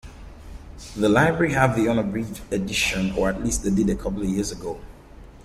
The library have the unabridged edition, or at least they did a couple of years ago.